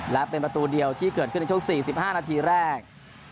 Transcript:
และเป็นประตูเดียวที่เกิดขึ้นในช่วง๔๕นาทีแรก